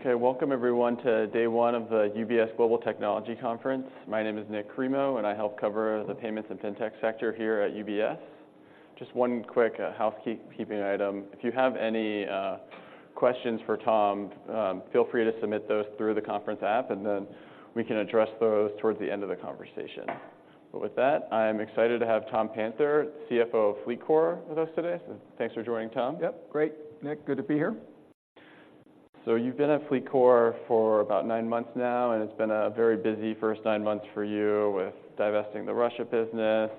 Okay, welcome everyone to day one of the UBS Global Technology Conference. My name is Nik Cremo, and I help cover the payments and FinTech sector here at UBS. Just one quick housekeeping item. If you have any questions for Tom, feel free to submit those through the conference app, and then we can address those towards the end of the conversation. But with that, I'm excited to have Tom Panther, CFO of FLEETCOR, with us today. So thanks for joining, Tom. Yep, great, Nik. Good to be here. So you've been at FLEETCOR for about nine months now, and it's been a very busy first nine months for you with divesting the Russia business,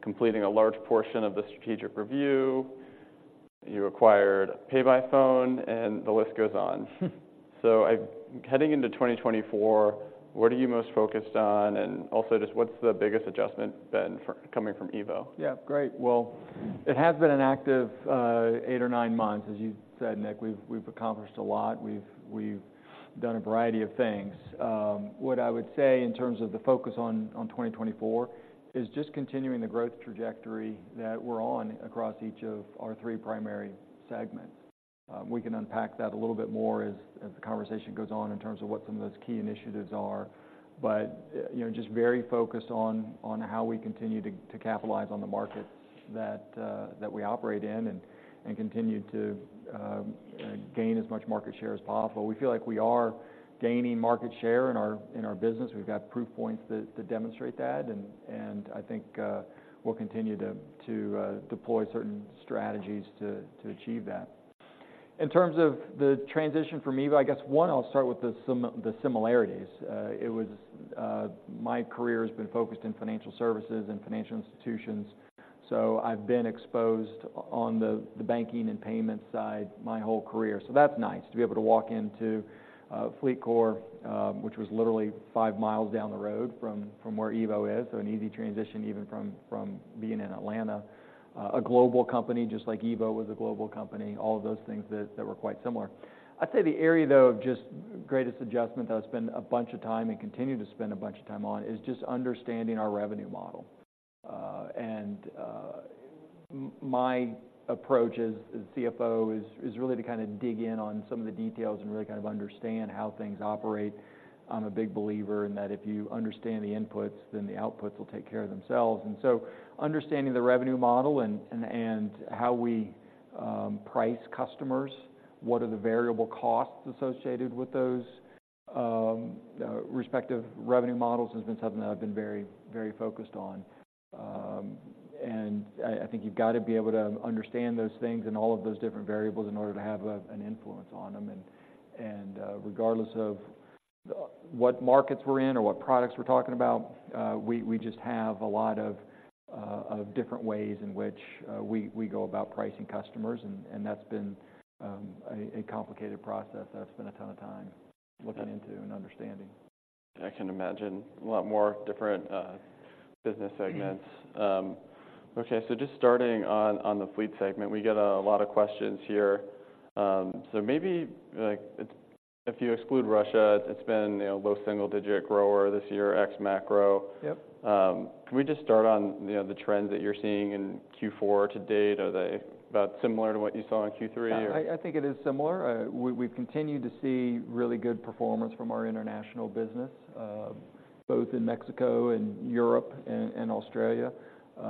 completing a large portion of the strategic review. You acquired PayByPhone, and the list goes on. So, heading into 2024, what are you most focused on? And also, just what's the biggest adjustment been for coming from EVO? Yeah, great. Well, it has been an active eight or nine months, as you said, Nik. We've accomplished a lot. We've done a variety of things. What I would say in terms of the focus on 2024 is just continuing the growth trajectory that we're on across each of our three primary segments. We can unpack that a little bit more as the conversation goes on in terms of what some of those key initiatives are. But you know, just very focused on how we continue to capitalize on the market that we operate in, and continue to gain as much market share as possible. We feel like we are gaining market share in our business. We've got proof points to demonstrate that, and I think we'll continue to deploy certain strategies to achieve that. In terms of the transition for me, but I guess one, I'll start with the similarities. My career has been focused in financial services and financial institutions, so I've been exposed on the banking and payment side my whole career. So that's nice to be able to walk into FLEETCOR, which was literally five miles down the road from where EVO is, so an easy transition, even from being in Atlanta. A global company, just like EVO was a global company, all of those things that were quite similar. I'd say the area, though, of just greatest adjustment, that I spend a bunch of time and continue to spend a bunch of time on, is just understanding our revenue model. And my approach as CFO is really to kind of dig in on some of the details and really kind of understand how things operate. I'm a big believer in that if you understand the inputs, then the outputs will take care of themselves. And so understanding the revenue model and how we price customers, what are the variable costs associated with those respective revenue models, has been something that I've been very, very focused on. And I think you've got to be able to understand those things and all of those different variables in order to have an influence on them. And regardless of what markets we're in or what products we're talking about, we just have a lot of different ways in which we go about pricing customers, and that's been a complicated process that I spend a ton of time looking into and understanding. I can imagine. A lot more different business segments. Mm-hmm. Okay, so just starting on the fleet segment, we get a lot of questions here. So maybe like, it's... If you exclude Russia, it's been, you know, low single-digit grower this year, ex macro. Yep. Can we just start on, you know, the trends that you're seeing in Q4 to date? Are they about similar to what you saw in Q3 or? Yeah, I think it is similar. We've continued to see really good performance from our international business, both in Mexico and Europe and Australia.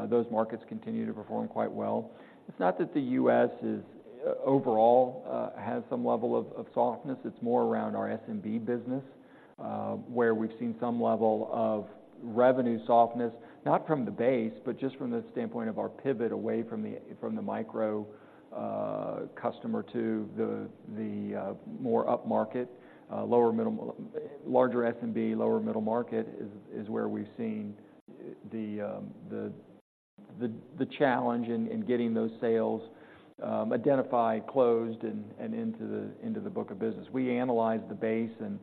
Those markets continue to perform quite well. It's not that the U.S. overall has some level of softness. It's more around our SMB business, where we've seen some level of revenue softness, not from the base, but just from the standpoint of our pivot away from the micro customer to the more upmarket lower middle... Larger SMB, lower middle market, is where we've seen the challenge in getting those sales identified, closed, and into the book of business. We analyzed the base, and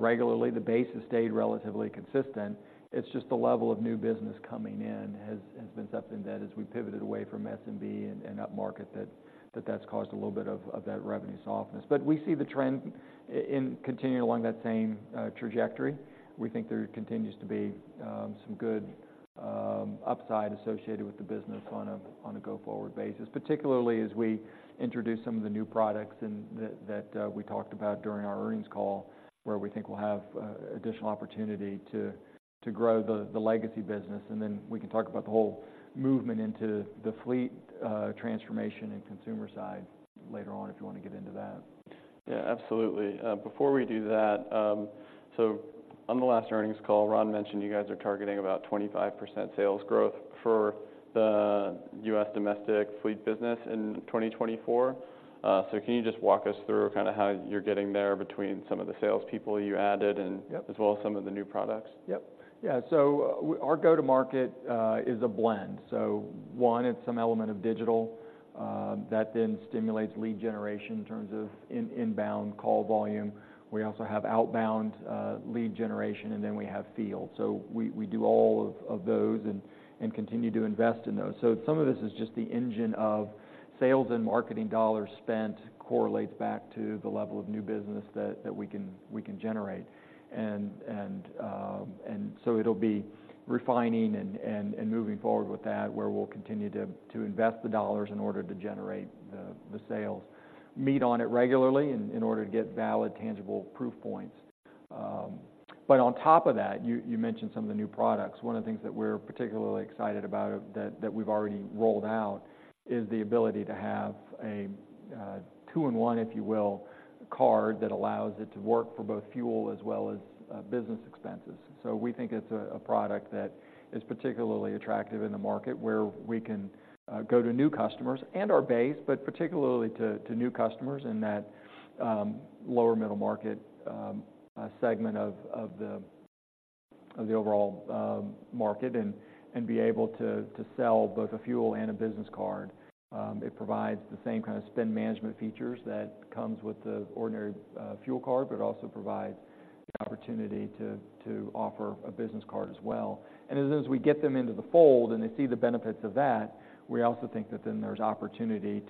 regularly, the base has stayed relatively consistent. It's just the level of new business coming in has been something that as we pivoted away from SMB and upmarket, that's caused a little bit of that revenue softness. But we see the trend in continuing along that same trajectory. We think there continues to be some good upside associated with the business on a go-forward basis, particularly as we introduce some of the new products and that we talked about during our earnings call, where we think we'll have additional opportunity to grow the legacy business, and then we can talk about the whole movement into the fleet transformation and consumer side later on, if you want to get into that. Yeah, absolutely. Before we do that, so on the last earnings call, Ron mentioned you guys are targeting about 25% sales growth for the U.S. domestic fleet business in 2024. So can you just walk us through kind of how you're getting there between some of the salespeople you added and- Yep... as well as some of the new products? Yep. Yeah, so our go-to-market is a blend. So one, it's some element of digital that then stimulates lead generation in terms of inbound call volume. We also have outbound lead generation, and then we have field. So we do all of those and continue to invest in those. So some of this is just the engine of sales and marketing dollars spent, correlates back to the level of new business that we can generate. And so it'll be refining and moving forward with that, where we'll continue to invest the dollars in order to generate the sales. Meet on it regularly in order to get valid, tangible proof points. But on top of that, you mentioned some of the new products. One of the things that we're particularly excited about that, that we've already rolled out, is the ability to have a, two-in-one, if you will, card that allows it to work for both fuel as well as, business expenses. So we think it's a, a product that is particularly attractive in the market, where we can, go to new customers and our base, but particularly to, to new customers in that, lower middle market, segment of the, of the overall, market, and, and be able to, to sell both a fuel and a business card. It provides the same kind of spend management features that comes with the ordinary, fuel card, but it also provides the opportunity to, to offer a business card as well. As we get them into the fold, and they see the benefits of that, we also think that then there's opportunity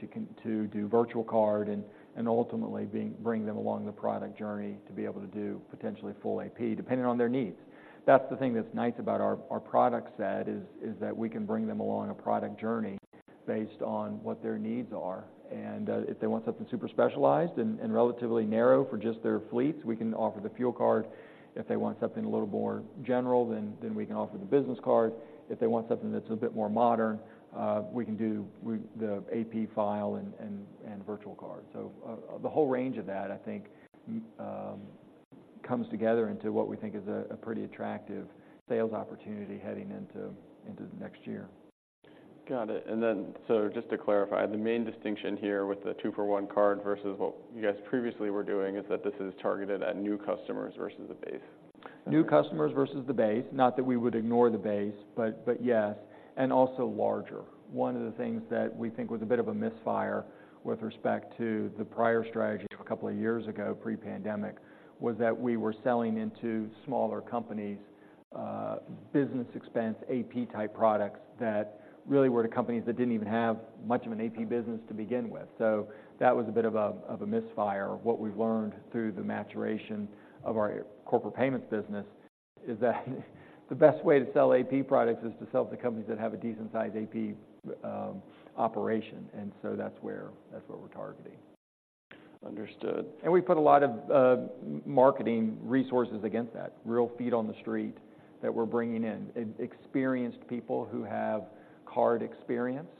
to do virtual card and ultimately bring them along the product journey to be able to do potentially full AP, depending on their needs. That's the thing that's nice about our product set is that we can bring them along a product journey based on what their needs are. If they want something super specialized and relatively narrow for just their fleets, we can offer the fuel card. If they want something a little more general, then we can offer the business card. If they want something that's a bit more modern, we can do the AP file and virtual card. So, the whole range of that, I think, comes together into what we think is a pretty attractive sales opportunity heading into the next year. Got it. Just to clarify, the main distinction here with the two-for-one card versus what you guys previously were doing is that this is targeted at new customers versus the base? New customers versus the base. Not that we would ignore the base, but yes, and also larger. One of the things that we think was a bit of a misfire with respect to the prior strategy a couple of years ago, pre-pandemic, was that we were selling into smaller companies, business expense, AP-type products that really were to companies that didn't even have much of an AP business to begin with. So that was a bit of a misfire. What we've learned through the maturation of our corporate payments business is that the best way to sell AP products is to sell to companies that have a decent-sized AP operation, and so that's what we're targeting. Understood. We put a lot of marketing resources against that. Real feet on the street that we're bringing in, and experienced people who have card experience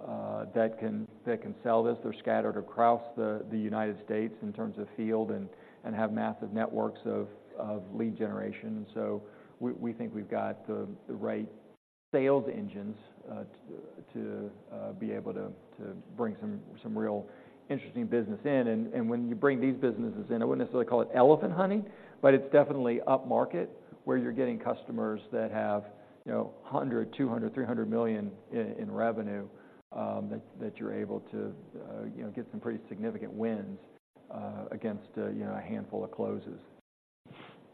that can sell this. They're scattered across the United States in terms of field, and have massive networks of lead generation. So we think we've got the right sales engines to be able to bring some real interesting business in. And when you bring these businesses in, I wouldn't necessarily call it elephant hunting, but it's definitely upmarket, where you're getting customers that have, you know, $100 million, $200 million, $300 million in revenue, that you're able to, you know, get some pretty significant wins against, you know, a handful of closes.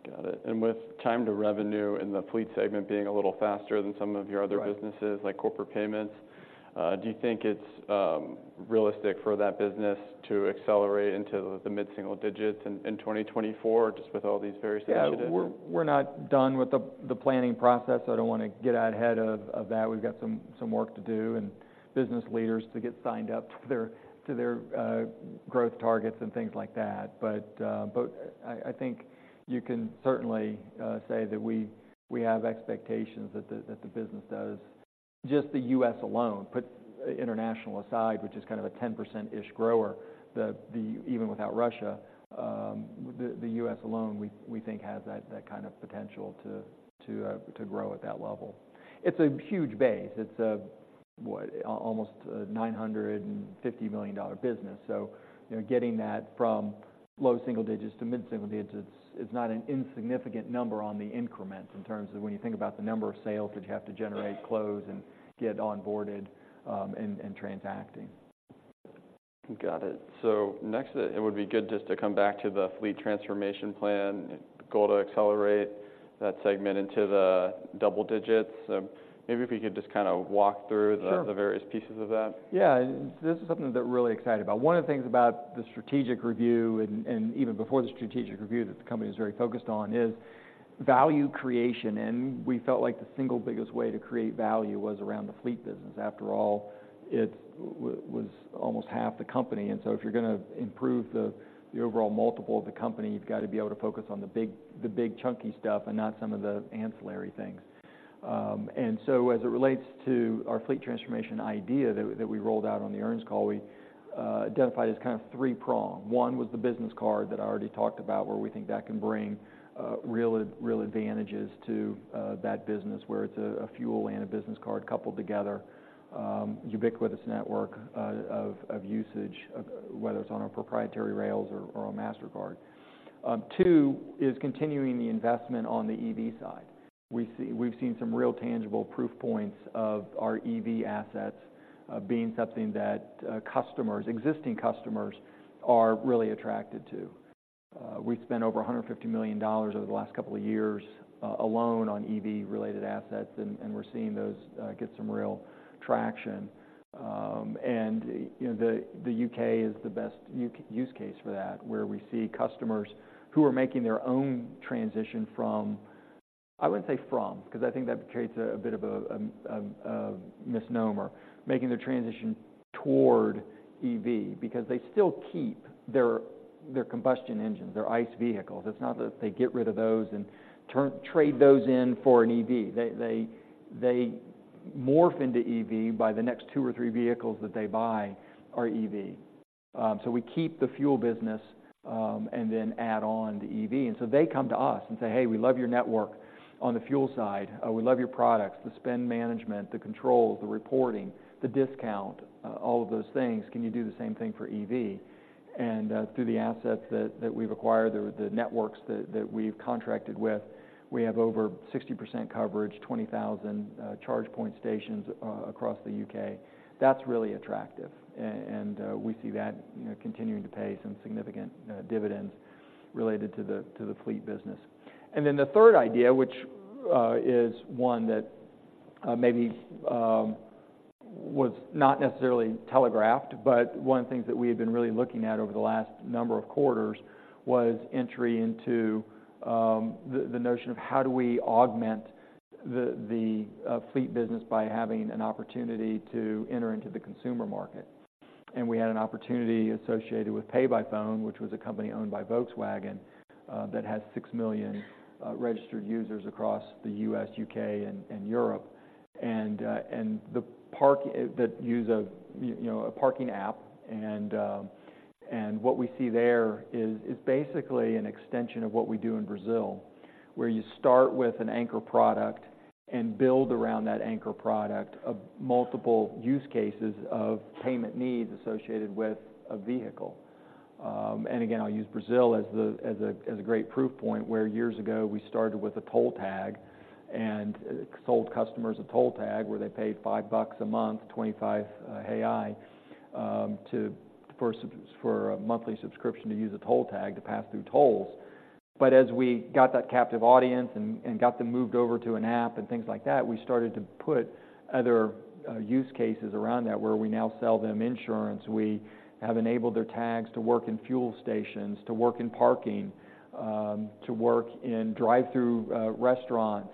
Got it. With time to revenue in the fleet segment being a little faster than some of your other- Right... businesses, like corporate payments, do you think it's realistic for that business to accelerate into the mid-single digits in 2024, just with all these various initiatives? Yeah. We're not done with the planning process. I don't wanna get out ahead of that. We've got some work to do, and business leaders to get signed up to their growth targets and things like that. But I think you can certainly say that we have expectations that the business does. Just the U.S. alone, put international aside, which is kind of a 10%-ish grower, even without Russia, the U.S. alone, we think has that kind of potential to grow at that level. It's a huge base. It's a, what? Almost a $950 million business. You know, getting that from low single digits to mid single digits is not an insignificant number on the increments, in terms of when you think about the number of sales that you have to generate, close, and get onboarded, and transacting. Got it. So next, it would be good just to come back to the fleet transformation plan, goal to accelerate that segment into the double digits. Maybe if you could just kind of walk through the- Sure... the various pieces of that. Yeah. This is something that we're really excited about. One of the things about the strategic review, and even before the strategic review, that the company was very focused on, is value creation, and we felt like the single biggest way to create value was around the fleet business. After all, it was almost half the company, and so if you're gonna improve the overall multiple of the company, you've got to be able to focus on the big, chunky stuff and not some of the ancillary things. And so as it relates to our fleet transformation idea that we rolled out on the earnings call, we identified as kind of three prong. One was the business card that I already talked about, where we think that can bring real, real advantages to that business, where it's a fuel and a business card coupled together. Ubiquitous network of usage, whether it's on our proprietary rails or a Mastercard. Two is continuing the investment on the EV side. We've seen some real tangible proof points of our EV assets being something that customers, existing customers, are really attracted to. We've spent over $150 million over the last couple of years alone on EV-related assets, and we're seeing those get some real traction. And, you know, the U.K. is the best use case for that, where we see customers who are making their own transition from... I wouldn't say from, 'cause I think that creates a bit of a misnomer. Making the transition toward EV, because they still keep their combustion engines, their ICE vehicles. It's not that they get rid of those and trade those in for an EV. They morph into EV by the next two or three vehicles that they buy are EV. So we keep the fuel business, and then add on the EV. And so they come to us and say, "Hey, we love your network on the fuel side. We love your products, the spend management, the controls, the reporting, the discount, all of those things. Can you do the same thing for EV?" And through the assets that we've acquired, the networks that we've contracted with, we have over 60% coverage, 20,000 charge point stations across the U.K.. That's really attractive, and we see that, you know, continuing to pay some significant dividends related to the fleet business. And then the third idea, which is one that maybe was not necessarily telegraphed, but one of the things that we have been really looking at over the last number of quarters, was entry into the notion of how do we augment the fleet business by having an opportunity to enter into the consumer market? And we had an opportunity associated with PayByPhone, which was a company owned by Volkswagen that has 6 million registered users across the U.S., U.K., and Europe that use, you know, a parking app, and what we see there is basically an extension of what we do in Brazil, where you start with an anchor product and build around that anchor product of multiple use cases of payment needs associated with a vehicle. And again, I'll use Brazil as a great proof point, where years ago we started with a toll tag and sold customers a toll tag, where they paid $5 a month, 25 BRL for a monthly subscription to use a toll tag to pass through tolls. But as we got that captive audience and got them moved over to an app and things like that, we started to put other use cases around that, where we now sell them insurance. We have enabled their tags to work in fuel stations, to work in parking, to work in drive-through restaurants,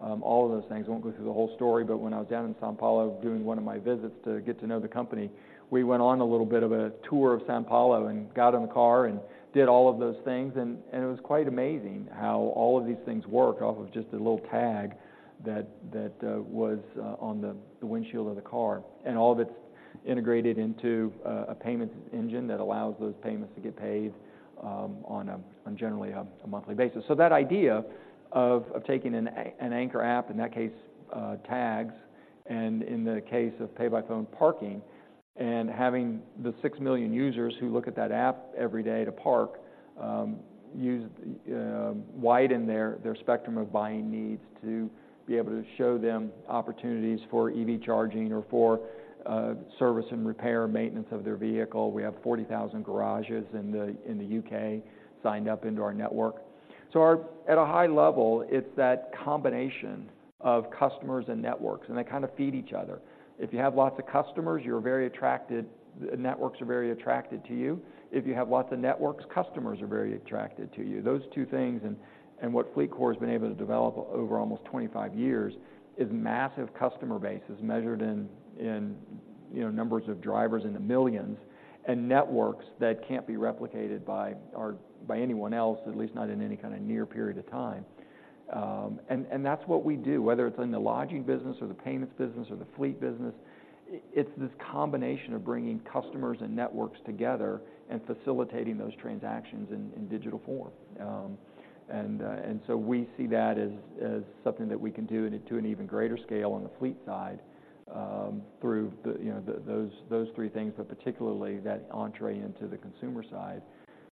all of those things. I won't go through the whole story, but when I was down in São Paulo doing one of my visits to get to know the company, we went on a little bit of a tour of São Paulo and got in a car and did all of those things, and it was quite amazing how all of these things work off of just a little tag that was on the windshield of the car. And all of it's integrated into a payment engine that allows those payments to get paid on generally a monthly basis. So that idea of taking an anchor app, in that case, tags, and in the case of PayByPhone, parking, and having the 6 million users who look at that app every day to park use... Widen their spectrum of buying needs to be able to show them opportunities for EV charging or for service and repair, maintenance of their vehicle. We have 40,000 garages in the U.K. signed up into our network. So our at a high level, it's that combination of customers and networks, and they kind of feed each other. If you have lots of customers, you're very attracted... networks are very attracted to you. If you have lots of networks, customers are very attracted to you. Those two things, and what FLEETCOR has been able to develop over almost 25 years, is massive customer base, as measured in, you know, numbers of drivers in the millions, and networks that can't be replicated by anyone else, at least not in any kind of near period of time. And that's what we do, whether it's in the lodging business or the payments business or the fleet business, it's this combination of bringing customers and networks together and facilitating those transactions in digital form. So we see that as something that we can do to an even greater scale on the fleet side, through you know those three things, but particularly that entry into the consumer side,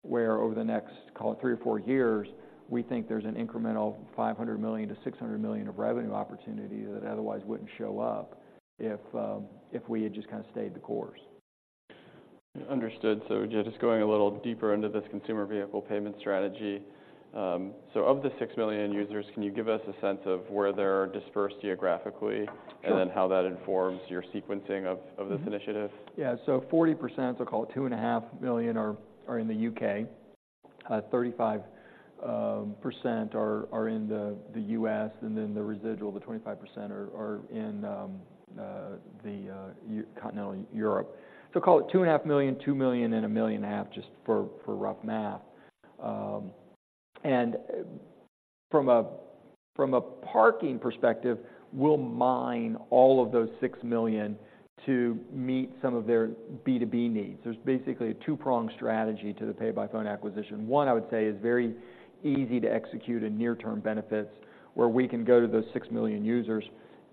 where over the next, call it three or four years, we think there's an incremental $500 million-$600 million of revenue opportunity that otherwise wouldn't show up if we had just kind of stayed the course. Understood. So just, just going a little deeper into this consumer vehicle payment strategy. So of the 6 million users, can you give us a sense of where they're dispersed geographically? Sure. How that informs your sequencing of this initiative? Yeah. So 40%, so call it 2.5 million, are in the U.K.. 35% are in the U.S., and then the residual, the 25% are in Continental Europe. So call it 2.5 million, 2 million, and 1.5 million, just for rough math. And from a parking perspective, we'll mine all of those 6 million to meet some of their B2B needs. There's basically a two-pronged strategy to the PayByPhone acquisition. One, I would say, is very easy to execute in near-term benefits, where we can go to those 6 million users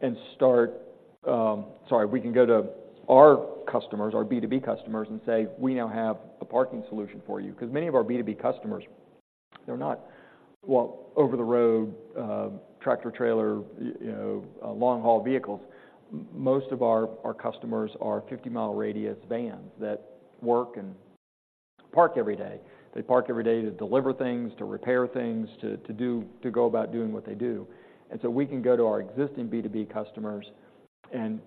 and start... Sorry, we can go to our customers, our B2B customers, and say, "We now have a parking solution for you." 'Cause many of our B2B customers, they're not, well, over-the-road, tractor-trailer, you know, long-haul vehicles. Most of our customers are 50-mile radius vans that work and park every day. They park every day to deliver things, to repair things, to go about doing what they do. And so we can go to our existing B2B customers and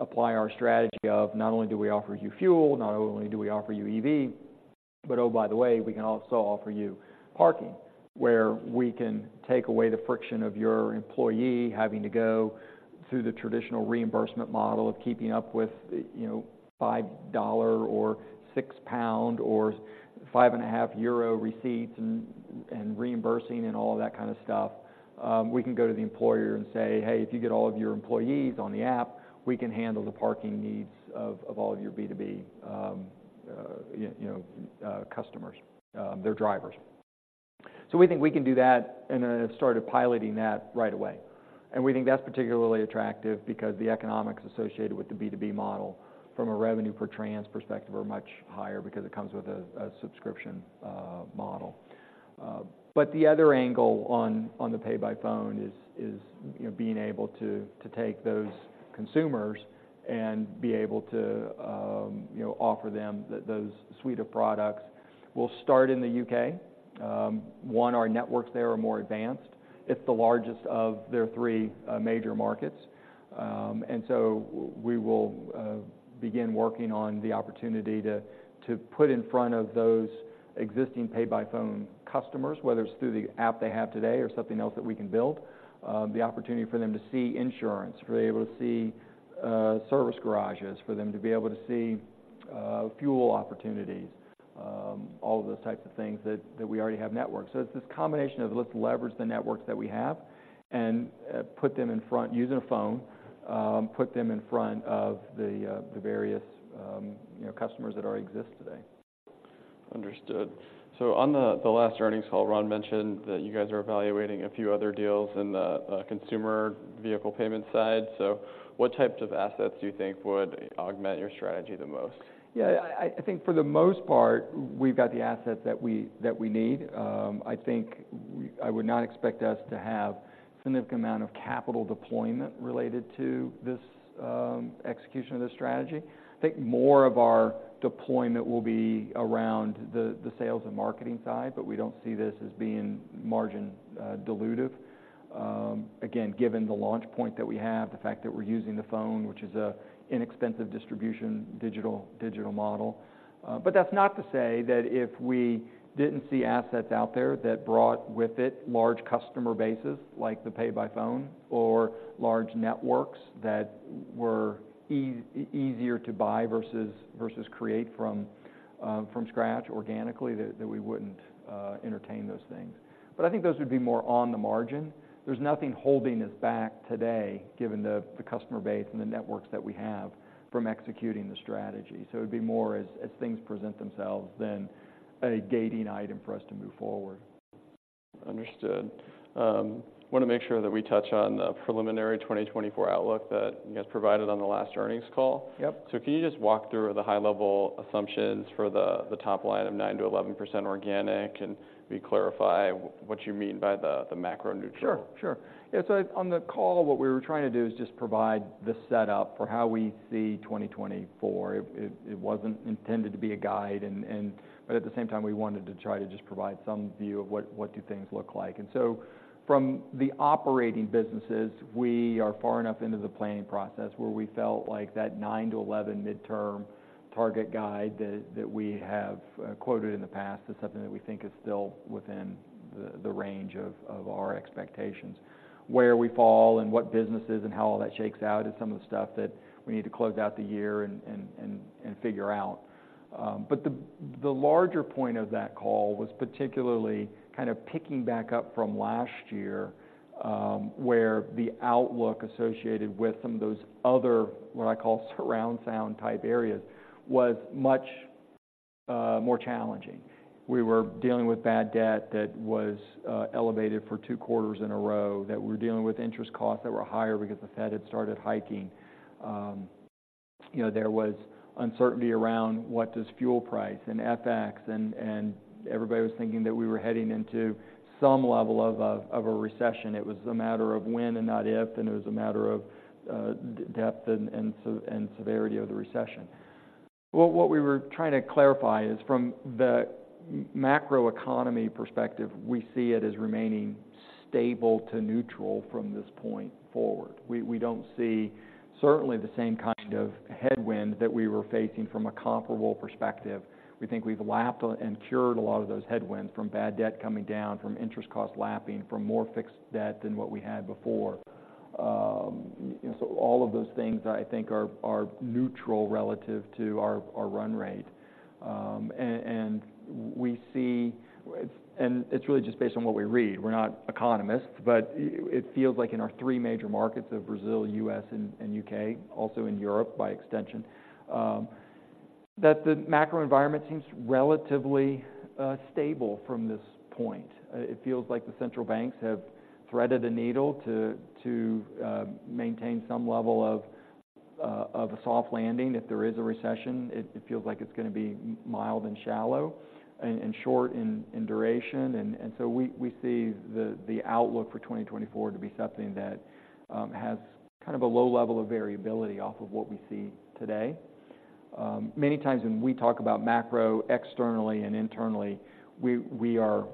apply our strategy of not only do we offer you fuel, not only do we offer you EV, but, oh, by the way, we can also offer you parking, where we can take away the friction of your employee having to go through the traditional reimbursement model of keeping up with, you know, $5 or 6 pound or 5.5 euro receipts and reimbursing and all that kind of stuff. We can go to the employer and say, "Hey, if you get all of your employees on the app, we can handle the parking needs of all of your B2B, you know, customers, their drivers." So we think we can do that, and then have started piloting that right away. And we think that's particularly attractive because the economics associated with the B2B model from a revenue per trans perspective are much higher because it comes with a subscription model. But the other angle on the PayByPhone is, you know, being able to take those consumers and be able to, you know, offer them those suite of products. We'll start in the U.K. Our networks there are more advanced. It's the largest of their three major markets. And so we will begin working on the opportunity to put in front of those existing PayByPhone customers, whether it's through the app they have today or something else that we can build, the opportunity for them to see insurance, for them able to see service garages, for them to be able to see fuel opportunities, all of those types of things that we already have networked. So it's this combination of let's leverage the networks that we have and put them in front, using a phone, put them in front of the various, you know, customers that already exist today. Understood. So on the last earnings call, Ron mentioned that you guys are evaluating a few other deals in the consumer vehicle payment side. So what types of assets do you think would augment your strategy the most? Yeah, I think for the most part, we've got the assets that we need. I think I would not expect us to have significant amount of capital deployment related to this execution of this strategy. I think more of our deployment will be around the sales and marketing side, but we don't see this as being margin dilutive. Again, given the launch point that we have, the fact that we're using the phone, which is an inexpensive distribution digital model. But that's not to say that if we didn't see assets out there that brought with it large customer bases, like the PayByPhone or large networks that were easier to buy versus create from scratch organically, that we wouldn't entertain those things. But I think those would be more on the margin. There's nothing holding us back today, given the customer base and the networks that we have, from executing the strategy. So it would be more as things present themselves than a gating item for us to move forward. Understood. Wanna make sure that we touch on the preliminary 2024 outlook that you guys provided on the last earnings call. Yep. So can you just walk through the high-level assumptions for the top line of 9%-11% organic, and reclarify what you mean by the macro neutral? Sure, sure. Yeah, so on the call, what we were trying to do is just provide the setup for how we see 2024. It wasn't intended to be a guide and... But at the same time, we wanted to try to just provide some view of what things look like. So from the operating businesses, we are far enough into the planning process, where we felt like that 9-11 midterm target guide that we have quoted in the past is something that we think is still within the range of our expectations. Where we fall and what businesses and how all that shakes out is some of the stuff that we need to close out the year and figure out. But the larger point of that call was particularly kind of picking back up from last year, where the outlook associated with some of those other, what I call, surround sound type areas, was much more challenging. We were dealing with bad debt that was elevated for two quarters in a row, that we're dealing with interest costs that were higher because the Fed had started hiking. You know, there was uncertainty around what does fuel price and FX and everybody was thinking that we were heading into some level of a recession. It was a matter of when and not if, then it was a matter of depth and severity of the recession. Well, what we were trying to clarify is, from the macroeconomy perspective, we see it as remaining stable to neutral from this point forward. We don't see certainly the same kind of headwind that we were facing from a comparable perspective. We think we've lapped and cured a lot of those headwinds, from bad debt coming down, from interest costs lapping, from more fixed debt than what we had before. And so all of those things, I think, are neutral relative to our run rate. And it's really just based on what we read. We're not economists, but it feels like in our three major markets of Brazil, U.S., and U.K., also in Europe, by extension, that the macro environment seems relatively stable from this point. It feels like the central banks have threaded a needle to maintain some level of a soft landing. If there is a recession, it feels like it's gonna be mild and shallow and short in duration. And so we see the outlook for 2024 to be something that has kind of a low level of variability off of what we see today. Many times when we talk about macro, externally and internally, we are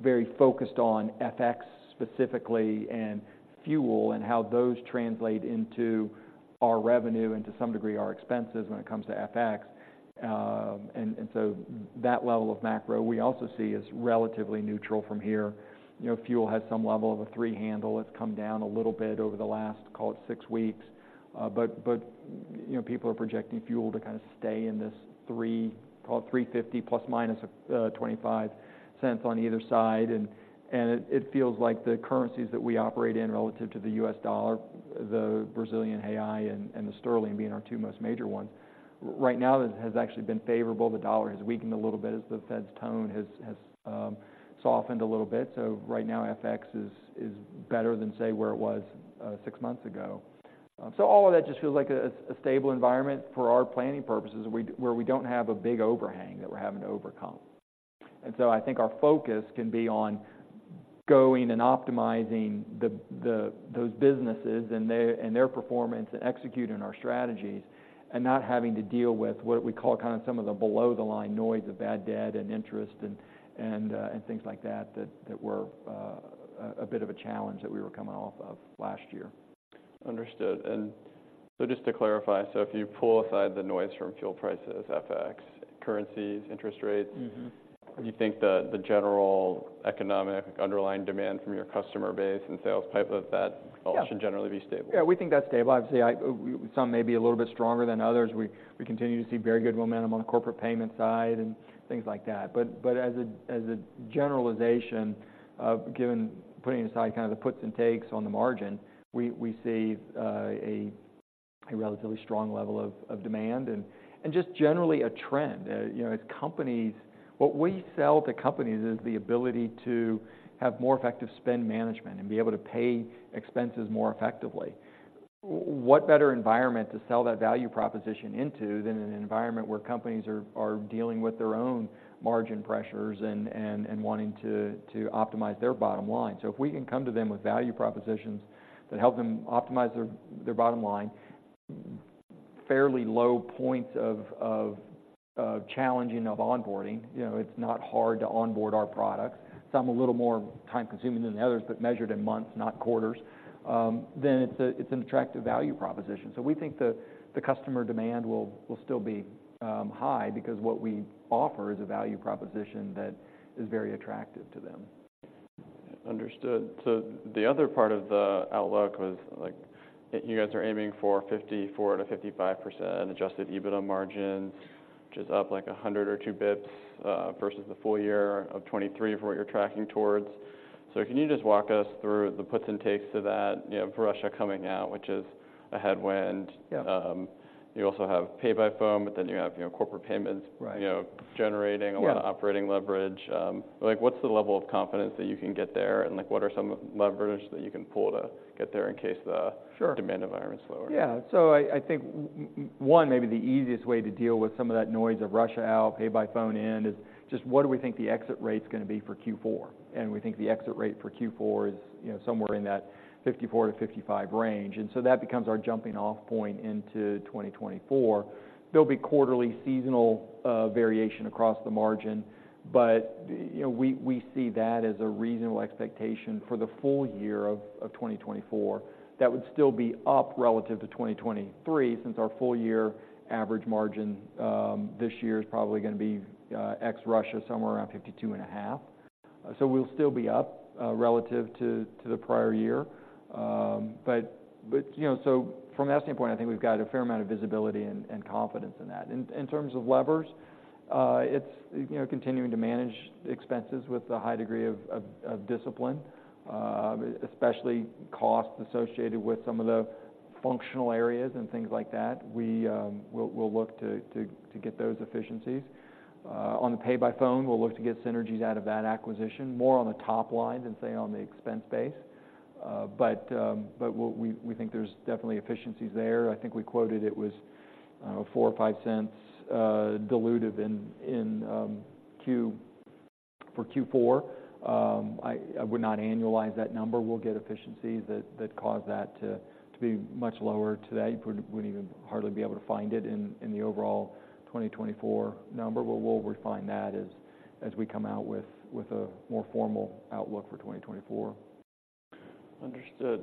very focused on FX specifically, and fuel, and how those translate into our revenue, and to some degree, our expenses when it comes to FX. And so that level of macro, we also see is relatively neutral from here. You know, fuel has some level of a three handle. It's come down a little bit over the last, call it six weeks, but, you know, people are projecting fuel to kind of stay in this three-- call it $3.50, ±25 cents on either side. And it feels like the currencies that we operate in relative to the U.S. dollar, the Brazilian real and the sterling being our two most major ones. Right now, it has actually been favorable. The dollar has weakened a little bit, as the Fed's tone has softened a little bit. So right now, FX is better than, say, where it was six months ago. So all of that just feels like a stable environment for our planning purposes, where we don't have a big overhang that we're having to overcome. And so I think our focus can be on going and optimizing the those businesses and their and their performance, and executing our strategies, and not having to deal with what we call kind of some of the below the line noise of bad debt and interest and and things like that, that that were a bit of a challenge that we were coming off of last year. Understood. Just to clarify, if you pull aside the noise from fuel prices, FX, currencies, interest rates- Mm-hmm. Do you think the general economic underlying demand from your customer base and sales pipeline, that- Yeah All should generally be stable? Yeah, we think that's stable. Obviously, some may be a little bit stronger than others. We continue to see very good momentum on the corporate payment side and things like that. But as a generalization, given putting aside kind of the puts and takes on the margin, we see a relatively strong level of demand and just generally a trend. You know, as companies... What we sell to companies is the ability to have more effective spend management and be able to pay expenses more effectively. What better environment to sell that value proposition into than an environment where companies are dealing with their own margin pressures and wanting to optimize their bottom line? So if we can come to them with value propositions that help them optimize their bottom line, fairly low points of challenging onboarding, you know, it's not hard to onboard our products. Some a little more time-consuming than others, but measured in months, not quarters, then it's an attractive value proposition. So we think the customer demand will still be high because what we offer is a value proposition that is very attractive to them. Understood. So the other part of the outlook was, like, you guys are aiming for 54%-55% adjusted EBITDA margins, which is up, like, 100 or 200 basis points versus the full year of 2023 for what you're tracking towards. So can you just walk us through the puts and takes to that? You know, Russia coming out, which is a headwind. Yeah. You also have PayByPhone, but then you have, you know, corporate payments- Right... you know, generating- Yeah -a lot of operating leverage. Like, what's the level of confidence that you can get there? And, like, what are some leverage that you can pull to get there in case the- Sure Demand environment is slower? Yeah. So I think one, maybe the easiest way to deal with some of that noise of Russia out, PayByPhone in, is just what do we think the exit rate's gonna be for Q4? And we think the exit rate for Q4 is, you know, somewhere in that 54%-55% range, and so that becomes our jumping off point into 2024. There'll be quarterly seasonal variation across the margin, but, you know, we see that as a reasonable expectation for the full year of 2024. That would still be up relative to 2023, since our full year average margin this year is probably gonna be ex Russia, somewhere around 52.5%. So we'll still be up relative to the prior year. But you know, so from that standpoint, I think we've got a fair amount of visibility and confidence in that. In terms of levers, it's you know, continuing to manage expenses with a high degree of discipline, especially costs associated with some of the functional areas and things like that. We'll look to get those efficiencies. On the PayByPhone, we'll look to get synergies out of that acquisition, more on the top line than, say, on the expense base. But what we think there's definitely efficiencies there. I think we quoted it was $0.04-$0.05 dilutive in Q4. I would not annualize that number. We'll get efficiencies that cause that to be much lower. To that, you would even hardly be able to find it in the overall 2024 number, but we'll refine that as we come out with a more formal outlook for 2024. Understood.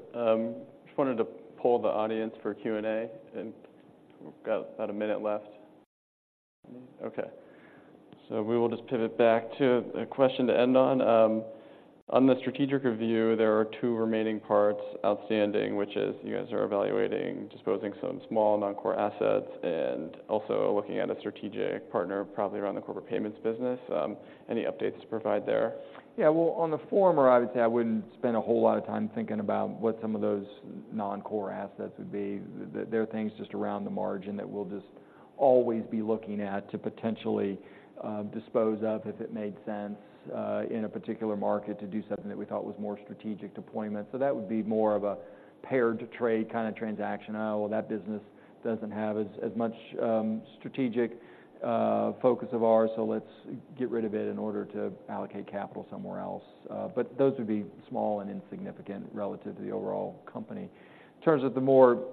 Just wanted to poll the audience for Q&A, and we've got about a minute left. Okay, so we will just pivot back to a question to end on. On the strategic review, there are two remaining parts outstanding, which is you guys are evaluating disposing some small non-core assets and also looking at a strategic partner, probably around the corporate payments business. Any updates to provide there? Yeah. Well, on the former, I would say I wouldn't spend a whole lot of time thinking about what some of those non-core assets would be. There are things just around the margin that we'll just always be looking at to potentially dispose of, if it made sense in a particular market, to do something that we thought was more strategic deployment. So that would be more of a paired trade kind of transaction. Oh, well, that business doesn't have as much strategic focus of ours, so let's get rid of it in order to allocate capital somewhere else. But those would be small and insignificant relative to the overall company. In terms of the more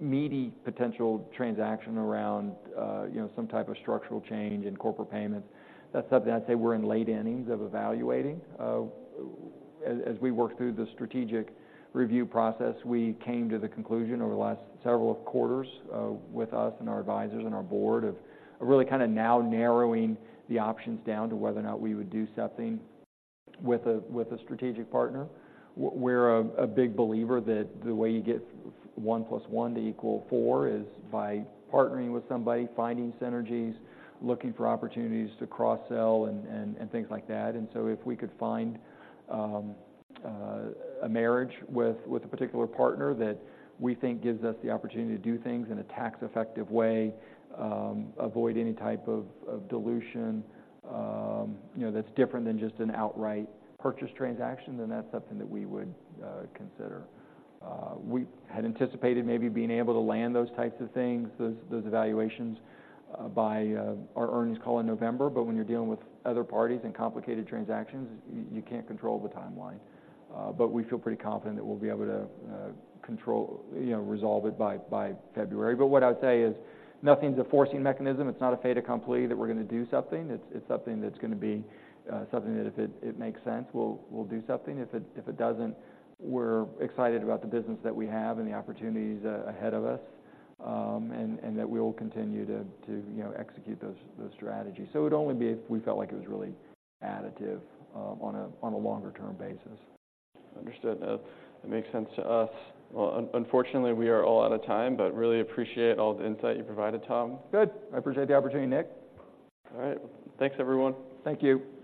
meaty potential transaction around, you know, some type of structural change in corporate payments, that's something I'd say we're in late innings of evaluating. As we work through the strategic review process, we came to the conclusion over the last several quarters, with us and our advisors and our board, of really kind of now narrowing the options down to whether or not we would do something with a strategic partner. We're a big believer that the way you get one plus one to equal four is by partnering with somebody, finding synergies, looking for opportunities to cross-sell and things like that. And so if we could find a marriage with a particular partner that we think gives us the opportunity to do things in a tax effective way, avoid any type of dilution, you know, that's different than just an outright purchase transaction, then that's something that we would consider. We had anticipated maybe being able to land those types of things, those evaluations, by our earnings call in November, but when you're dealing with other parties and complicated transactions, you can't control the timeline. But we feel pretty confident that we'll be able to control, you know, resolve it by February. But what I would say is nothing's a forcing mechanism. It's not a fait accompli that we're gonna do something. It's something that's gonna be something that if it makes sense, we'll do something. If it doesn't, we're excited about the business that we have and the opportunities ahead of us, and that we will continue to, you know, execute those strategies. So it would only be if we felt like it was really additive, on a longer term basis. Understood. That makes sense to us. Well, unfortunately, we are all out of time, but really appreciate all the insight you provided, Tom. Good. I appreciate the opportunity, Nik. All right. Thanks, everyone. Thank you.